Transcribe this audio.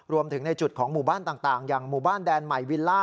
รวมถึงในจุดของหมู่บ้านต่างอย่างหมู่บ้านแดนใหม่วิลล่า